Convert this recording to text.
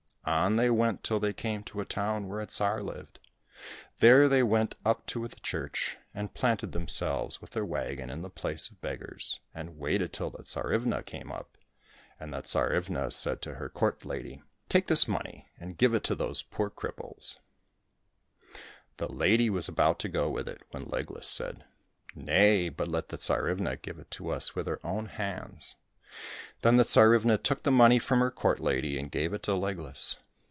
On they went till they came to a town where a Tsar lived. There they went up to the church, and planted themselves with their wagon in the place of beggars, and waited till the Tsarivna came up. And the Tsarivna said to her court lady, " Take this money, and give it to those poor cripples." 282 IVAN GOLIK AND THE SERPENTS The lady was about to go with it when Legless said, " Nay, but let the Tsarivna give it to us with her own hands." Then the Tsarivna took the money from her court lady and gave it to Legless.